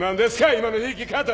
今の弾き方。